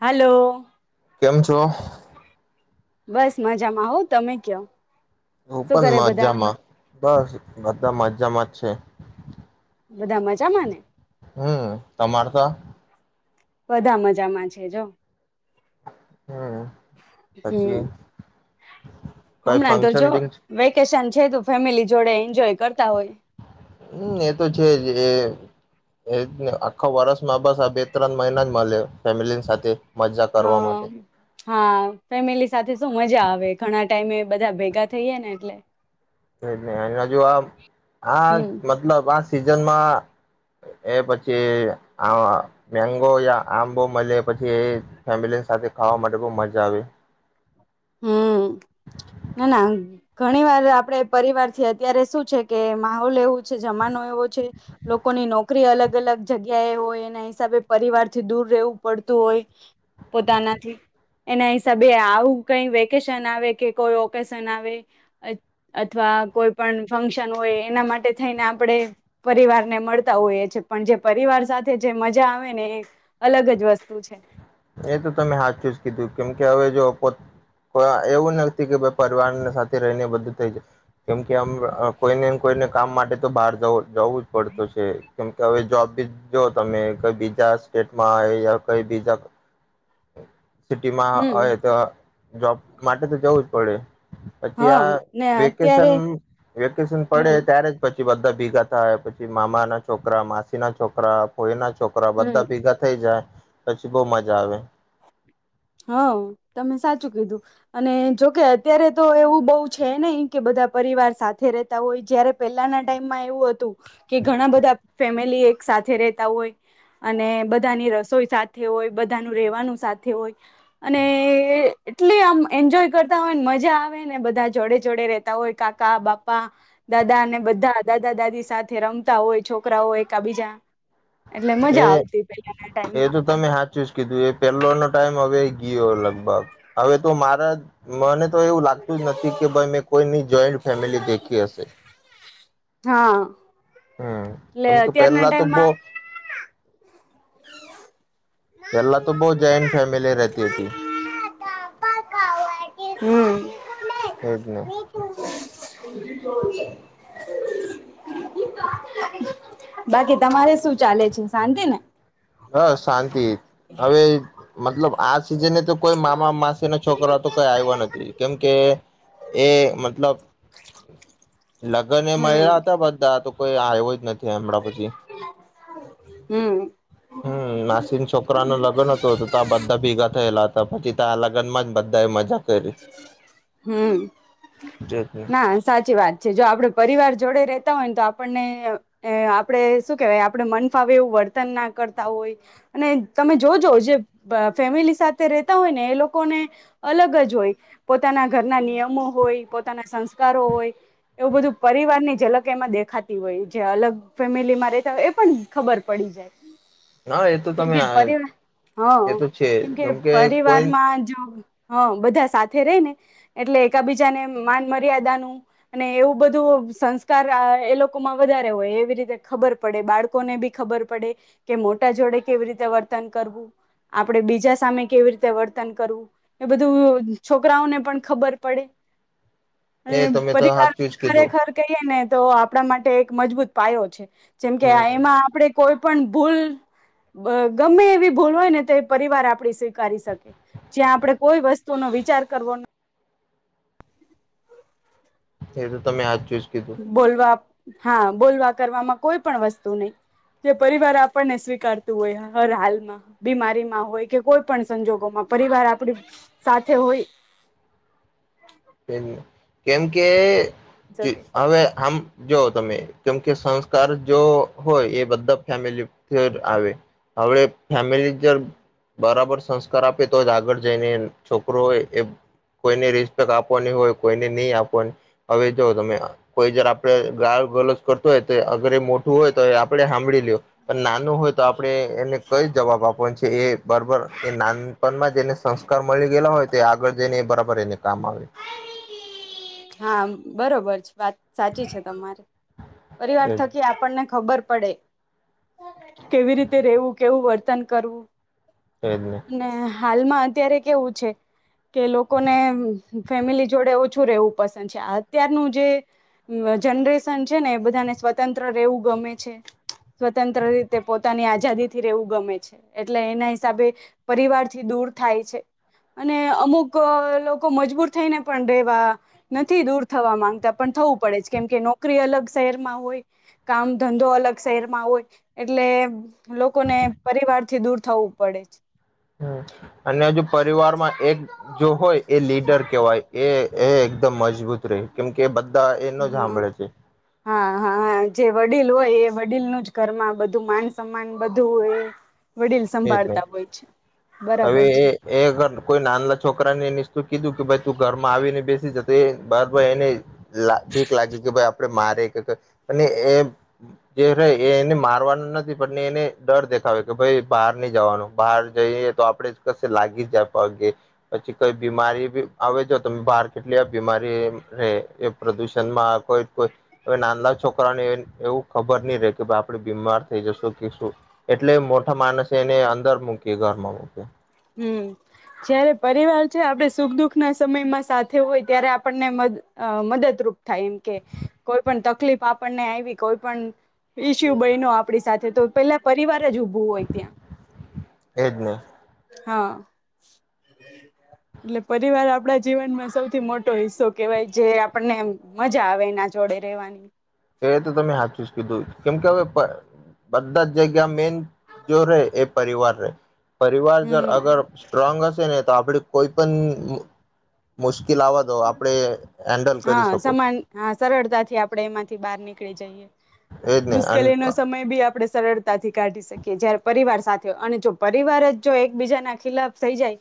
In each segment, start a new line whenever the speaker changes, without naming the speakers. Hello.
કેમ છો?
બસ મજામાં હો તમે કયો?
હ
શું
પણ
કરે બધા
મજામાં બસ બધા મજામાં. છે.
બધા મજા માં ને.
હમ્મ તમારા. [unintelligible]
બધા મજામાં છે જો.
હમ્મ પછી
હમ્મ
કઈ
હમણાં તો
ફંક્શન
જો
બિંક
વેકેશન છે તો ફેમિલી જોડે એન્જોય કરતા હોય
હમ્મ એ તો છે જ એ એજ ને આખો વર્ષમાં બસ આ બે ત્રણ મહિના જ મળે ફેમિલીની સાથે. મજા કરવા માટે
હમ્મ, હા ફેમિલી સાથે શું મજા આવે. ઘણા ટાઈમે બધા ભેગા થઈએ ને એટલે
એ હ જો આ આ
હમ
મતલબ આ સિઝનમાં એ પછી, આ મેંગો યા આંબો મળે પછી, એ ફેમિલી સાથે ખાવા માટે બહુ મજા આવે.
હમ્મ, ના ના ઘણી વાર આપડે પરિવાર થી અત્યારે શું છે. કે માહોલ એવો છે. જમાનો એવો છે. લોકોની નોકરી અલગ અલગ જગ્યા એ હોય, એના હિસાબે પરિવારથી દૂર રહેવું પડતું હોય, પોતાનાથી એના હિસાબે આવું કઈ વેકેશન આવે કે કોઈ ઓકેશન આવે અથવા કોઈ પણ ફંક્શન હોય, એના માટે થઈને આપણે પરિવારને મળતા હોઈએ છીએ, પણ જે પરિવાર સાથે જે મજા આવે ને એ અલગ જ વસ્તુ છે.
એ તો તમે હા ચુ કીધું કેમ કે હવે, જો પો એવું નથી, કે ભ પરિવારને સાથે રહીને બધું થઈ જાય. કેમ કેમ, કોઈને કોઈને કામ માટે તો બહાર જવ જવું જ પડતું છે. કેમ કે, હવે જોબ બી જો તમે કઈ બીજા સ્ટેટમાં આવે કઈ બીજા [unintelligible] સિટી માં
હમ
હોય તો જોબ માટે તો જવું જ પડે. પછી,
હા
આ
ને
વેકેશન
અત્યારે
વેકેશન
હમ
પડે ત્યારે પછી, પી બધા ભેગા થાય પછી મામાના છોકરા, માસીના છોકરા કોઈના છોકરા
હમ
બધા ભેગા થઈ જાય. પછી બહુ મજા જ આવેે.
હા, તમે સાચું કીધું અને જોકે અત્યારે, તો એવું બહુ છે. નઈ કે બધા પરિવાર સાથે રતા હોય જયારે, પહેલાના ટાઈમમાં એવું હતું કે ઘણા બધા ફેમિલી એક સાથે રહેતા હોય, અને બધાની રસોઈ સાથે હોય બધાનું રહેેવાનું સાથે હોય. અને એટલી આમ એન્જોય કરતા હોય મજા આવેને, બધા જોડે જોડે રેતા હોય કાકા બાપા દાદા અનેને બધા દાદા દાદી સાથે રમતા હોય છોકરાઓય એકા બીજા
એ એ તો તમે હા ચુઝ કીધું એ પેલો નો ટાઈમ હવે, યો લગભગ હવે તો મારા મને તો એવું લાગતું જ નથી. કે ભાઈ મેં કોઈની જોઈન્ટ ફેમિલી દેખી હશે.
હા,
હમ
એટલે
કેમ કે
અત્યારના
પેલા તો
ટાઈમમાં
એલા તો બઉ જોન્ટ ફેમિલી તે હતી.
હમ.
એ જ ન
બાકી તમારે શું ચાલે છે, શાંતિ ને.
હ શાંતિ હવે મતલબ આ સિઝને તો કોઈ મામા માસેનો છોકરો તો કોઈ આવ્યો નથી. કેમકે, એ મતલબ લગ્ન એ
હમ
મળલા હતા. બધા તો કોઈ આવ્યો જ નથી હમણાં પછી,
હમ
હમ્મ, નાસીિન છોકરા ન લગ્ન હતું. ત બધા ભેગા થયેલા હતા. પછી, ત્યા આ લગ્નમાં જ બધા મજા, કરી
હમ્મ, ના સાચી વાત છે. જો આપડે પરિવાર જોડે રેતા હોય. ને તો આપણને આપણે શું કેહેવાય આપણે મન ફાવે એવું વર્તન ના કરતા હોય. અને તમે જો જો જે ફેમિલી સાથે રતા હોય ને એ લોકોને અલગ જ હોય. પોતાના ઘરના નિયમો હોય. પોતાના સંસ્કારો હોય, એવું બધું પરિવારની ઝલક એમાં દેખાતી હોય. જે અલગ ફેમિલીમાં રેતા હોય એ પણ ખબર પડી જાય.
હા એ તો તમે
કેમકે, પરવાર
એ
હ
તો છે
કેમકે,
કેમ કે કોઈ
પરિવારમાં જો હા, બધા સાથે ર ને એટલે એકાબીજાને માન મર્યાદાનું અને એવું બધું સંસ્કાર એ લોકોમાં વધારે હોય એવી રીતે ખબર પડે. બાળકોને બી ખબર પડે કે મોટા જોડે કેવી રીતે વર્તન કરવું. આપડે બીજા સામે કેવી રીતે વર્તન કરવું. એ બધું છોકરાઓને પણ ખબર પડે. અને
એ તમે તો
પરિવાર
હાચું જ કીધું
ખરેખર કહીએ ને તો આપણા માટે એક. મજબૂત પાયો છે જેમ કે
હમ
એમાં આપડે કોઈ પણ ભૂલ ગમે એવી ભૂલ હોય ને તો પરિવાર આપડી સ્વીકારી શકે. જ્યાં આપડણે કોઈ વસ્તુનો વિચાર કરવો ન
એ તો તમે હાચૂ
બોલવા હા બોલવા કરવામાં કોઈ પણ વસ્તુ નહી. જે પરિવાર આપણને સ્વીકારતું હોય હર હાલમાં બીમારીમાં હોય. કે કોઈ પણ સંજોગોમાં પરિવાર આપડી સાથે હોય
કેમ કે જી
શકે
હવે આમ જોઓ તમે કેમ કે સંસ્કાર જો હોય. એ બધા ફેમિલી પર આવે હવે ફેમિલી જ બરાબર સંસ્કાર આપે તો જ આગળ જઈને છોકરો હોય એ કોઈને ર આપવાની હોય કોઈને ની આપવાની હવે જો તમે કોઈ જ આપણે ગાળ ગલોજ કરતુ હોય તો અગર એ મોટું હોય. તો એ આપે હાભળી લ્યો અને નાનું હોય તો આપણે એને કઈ જવાબ આપવાનું છે. એ બરાબર એ નાનપણમાં જેને સંસ્કાર મળી ગયેલા હોય. તો આગળ જઈને એ બરાબર એને કામ આવે.
હા બરોબર છે. વાત સાચી છે તમારી પરિવાર
એજ
થકી આપણને ખબર પડે કેવી રીતે રેવું? કેવું વર્તન કરવું?
એજને
અને હાલમાં અત્યારે કેવું છે. કે લોકોને ફેમિલી જોડે ઓછું રહેવું પસંદ છે અત્યારનું જે જનરેશન છે. ને એ બધાને સ્વતંત્ર રહેેવું ગમે છે. સ્વતંત્ર રીતે પોતાની આઝાદી થી રહેેવું ગમે છે. એટલે એના હિસાબે પરિવાર થી દૂર થાય છે. અને અમુક લોકો મજબૂર થઈને પણ રહેેવા નથી દૂર થવા માંગતા પણ થવું પડે જ કેમ કે નોકરી અલગ શહેરમાં હોય. કામ ધંધો અલગ શહેરમાં હોય. એટલે લોકોને પરિવાર થી દૂર થવું પડે છે.
અને હજુ પરિવારમાં એક જો હોય એ લીડર કેવાય. એ એ એકદમ મજબૂત રે કેમ કે એનો સાંભળે છે.
હા હા હા જે વડીલ હોય એ વડીલનું જ ઘરમાં બધું માન સમાન બધું હોય વડીલ
એ જ ન
સંભાળતા છે
હવે
બરાબર છે
એ એ અર કોઈ નાલા છોકરાને એને શું કીધું કે ભાઈ તું ઘરમાં આવીને બેસી જા એ બારાઈ એને ભીક લાગે કે ભી આપડે મારે કે કઈ એ ને એ જે રેય એને મારવાનો નથી પણ એને ડર દેખાવે કે ભાઈ બહાર ની જવાનું બહાર જઈએ તો આપડે જ કશે લાગી જાય પગે પછી કઈ બીમારી આવે. જો તમે બહાર કેટલી બીમારી રેય એ પ્રદુષણ માં કોઈ કોઈ હવે નાંલા છોકરાને એવું ખબર નહી રહેે કે ભાઈ આપળે બીમાર થઈ. જશું કે શું? એટલે આ માણસે એને અંદર મૂકી ઘરમાં મૂકી
હમ જયારે પરિવાર છે આપણે સુખ દુખ ના સમયમાં સાથે હોય ત્યારે આપણને મદ અ મદદરૂપ થાય એમ કે કોઈ પણ તકલીફ આપણને આવી કોઈ પણ ઈસ્યુ બયનો આપણી સાથે તો પેલા પરિવાર રજ ઉભું હોય ત્યાં
એ જ ને
હા એટલે પરિવાર આપડા જીવનમાં સૌથી મોટો હિસ્સો કેહેવાય જે આપણને મજા આવે એના જોડે રેવાની
એ તો તમે હાચું જ કીધું કેમ કે હવે બધા જ જગ્યા મેન જો રે એ પરિવાર રેય પરિવાર જો
હમ
અગર સ્ટ્રોંગ હશે ને તો આપડી કોઈપણ મુ મુશ્ લાવવા દો આપણે હેન્ડલ કરી
હા
શકો
સમાન હા સરળતાથી આપડે એમાંથી બહાર નીક પકડે જઈએ.
એજ ને
મુશ્કેલી નો સમય ભી આપ આપણે સરળતાથી કાઢી શકીએ જય્યારે પરિવાર સાથે અને જો પરિવાર જ જો એકબીજાના ખિલાફ થઈ જાય.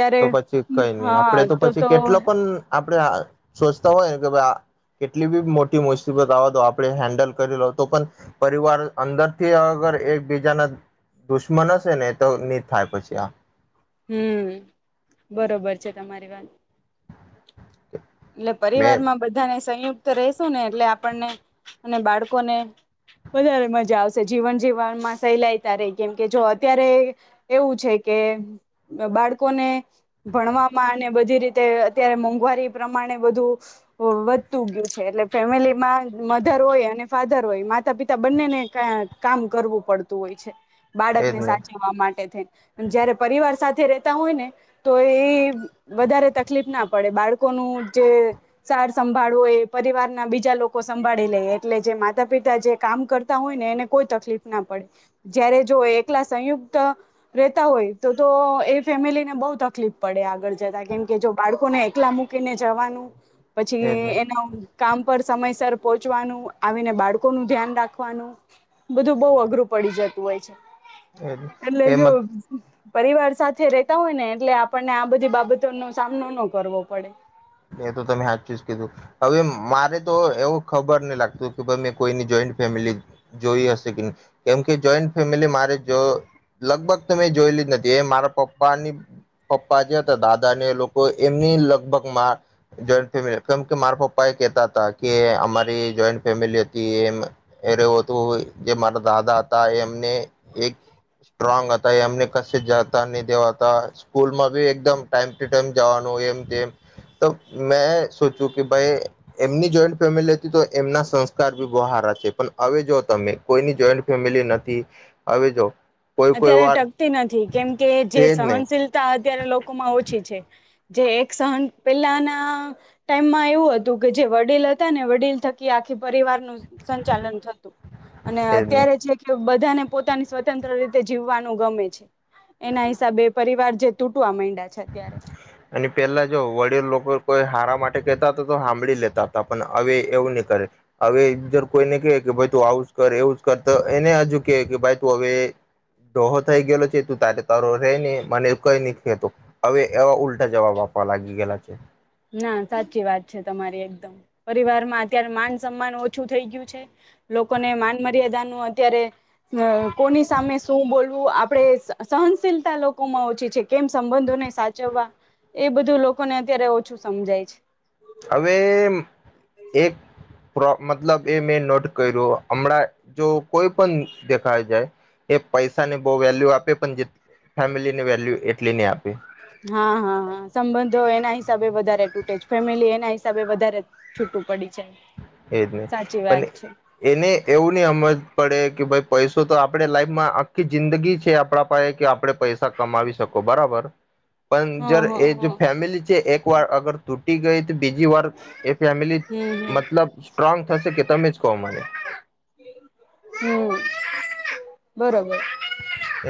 ત્યારે
તો પછી કઈ નહી આપડે તો પછી કેટલો પણ આપણે સોચતા હોય ને કે ભાઈ કેટલી બી મોટી મુસીબત આવવા દો આપણે હેન્ડલ કરી લો તો પણ પરિવાર અંદરથી અગર એકબીજાના દુશ્મન હશે ને તો નહી થાય પછી આ
હમ બરોબર છે તમારી વાત. એટલે પરિવાર
મેન
માં બધાને સયુક્ત રશું ને એટલે આપણને અને બાળકોને વધારે મજા આવશે જીવન જીવનમાં સહેલાયતા રે કેમકે જો અત્યારે એવું છે કે બાળકોને ભણવામાં અને બધી રીતે અત્યારે મોંઘવારી પ્રમાણે બધું વધતું ગયું છે એટલે ફેમિલીમાં મધર હોય અને ફાધર હોય માતા પિતા બંનેને કામ કરવું પડતું હોય છે.
એજ
બાળકને
ને
સાચવવા માટે થ જયારે પરિવાર સાથે રેતા હોય ને તો એ વધારે તકલીફ ના પડે બાળકો જે સાર સંભાળવો એ પરિવારના બીજા લોકો સંભાળી લે એટલે જે માતા પિતા જે કામ કરતા હોય ને એને કોઈ તકલીફ ના પડે જય્યારે જો એકલા સંયુક્ત રેતા હોય તો તો એ ફેમિલીને બહુ તકલીફ પડે આગળ જતા કેમકે જો બાળકોને એકલા મુક્ત કેને જવાનું
એજ ને
પછી એના કામ પર સમયસર પહોંચવાનું આવીને બાળકો નું ધ્યાન રાખવાનું બધું બહુ અઘરું પડી જતું હોય છે. એટલે જો
એમાં
પરિવાર સાથે રેતા હોય ને એટલે આપણને આ બધી બાબતો નો સામનો ન કરવો પડે.
એ તો તમે હાથ ચુઝ કીધું. હવે મારે તો એવું ખબર નહી લાગતું કે ભ મેં કોઈની જોઈન્ટ ફેમિલી જોઈ હશે કે નહી કેમકે જોઈન્ટ ફેમિલી મારે જો લગભગ મેં જોયેલી જ નથી એ મારા પપ્પાની પપ્પા જે હતા દાદાને એ લોકો એમની લગભગ જોઈ ફેમિલી કેમ કે મારા પપ્પા એ કેહેતા હતા કે અમારી જોઈન્ટ ફેમિલી હતી એમું હતું જે મારા દાદા હતા એમ. એક સ્ટ્રોંગ હતા એમને ક જતા નહી દેવા. સ્કૂલ માં ભી એકમ ટાઈમ મ જવાનું એમ જેમ તો મેં સોચ્યું કે ભાઈ એમની જોઈન્ટ ફેમિલી હતી તો એમના સંસ્કાર બી બહારા છે પણ હવે જો તમે કોઈની જોઈન્ટ ફેમિલી નથી હવે જો કોઈ કોઈ
અત્યારે
વાર
ટકતી નથી કેમકે જે
તેજ ને
સહનશીલતા અત્યારે લોકોમાં ઓછી છે. જે એક સહન પેલાના ટાઈમમાં એવું હતું કે જે વડીલ હતા ને વડીલ થકી આખી પરિવાર નું સંચાલન થતું અને
તેજ ને
અત્યારે છે કે બધ બધાને પોતાની સ્વતંત્ર રીતે જીવવાનું ગમે છે એના હિસાબે પરિવાર જે તૂટવા માં
અને પેલા જો વડેલ લોકો કોઈ હારા માટે કેતા તો તો હમ હાંભળી લેતા હતા પણ હવે એવું નહી કરે હવે જો કોઈને ક કે ભ તું આવું જ કર એવું જ કર તો એને હજુ કે કે ભ હવે ડોહો થઈ ગયેલો છે તું તારે તારો રે ને મને કઈ નહી કેતો. હવે એવા ઉલટા જવાબ આપવા લાગી ગયલા છે.
ના સાચી વાત છે તમારી એકદમ પરિવારમાં અત્યારે માન સન્માન ઓછું થઈ ગયું છે લોકોને માન મર્યાદાનું અત્યારે કોની સામે શું બોલવું આપણે સહનશીલતા લોકોમાં ઓછી છે કેમ સંબંધોને સાચવવા એ બધું લોકોને અત્યારે શું સમજાય છે
હવે, એમ એક પ્રો મતલબ એ મે નોટ કર્યૉ હમણાં જો કોઈ પણ દેખાય જાય એ પૈસા ને બહુ વેલ્યુ આપે, પણ જે ફેમિલી ને વેલ્યુ એટલી ની આપે
હા, હા, હા, સંબંધો એના હિસાબે વધારે ફેમિલી એના હિસાબે વધારે છૂટું પડી છે
એજ ને,
સાચી
અને
વાત છે
એને એવું ની હમજ પડે કે ભાઈ પૈસો તો આપણે લાઈફમાં આખી જિંદગી છે આપણા પાહે કે આપણે પૈસા કમાવી શકો બરાબર પણ
હ
જ્યારે
હ
એ જો
હ
ફેમિલી છે એક વાર અગર તૂ ગઈ. બીજી વાર એ ફેમિલી
હમ હમ
મતલબ સ્ટ્રોંગ થશે કે તમે જ કહો મને.
હમ બરોબર.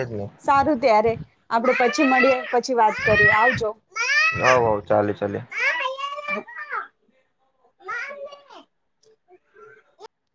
એજ ને
સારું ત્યારે આપડે પછ પછી મળીયે પછ પછી વાત કરીએ આવજો.
હ ચાલે ચલે.
હ લ [unintelligible]